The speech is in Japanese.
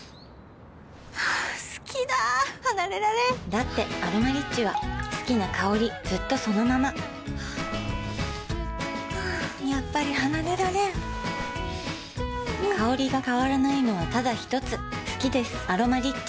好きだ離れられんだって「アロマリッチ」は好きな香りずっとそのままやっぱり離れられん香りが変わらないのはただひとつ好きです「アロマリッチ」